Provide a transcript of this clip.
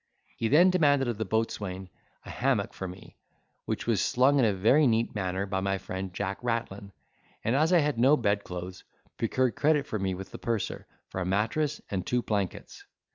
He then demanded of the boatswain a hammock for me, which was slung in a very neat manner by my friend Jack Rattlin; and, as I had no bed clothes, procured credit for me with the purser, for a mattress and two blankets.